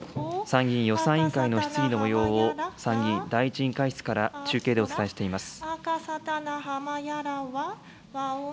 参議院予算委員会の質疑のもようを、参議院第１委員会室から中継でお伝えしています。